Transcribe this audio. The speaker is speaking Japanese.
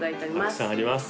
たくさんあります